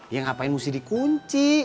ya ngapain mesti dikunci